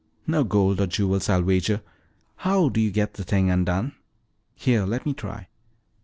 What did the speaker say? "No gold or jewels, I'll wager. How do you get the thing undone?" "Here, let me try."